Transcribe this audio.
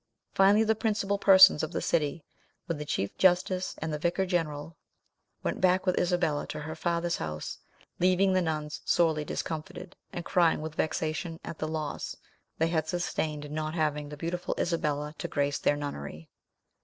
Finally, the principal persons of the city, with the chief justice and the vicar general, went back with Isabella to her father's house, leaving the nuns sorely discomfited, and crying with vexation at the loss they had sustained in not having the beautiful Isabella to grace their nunnery.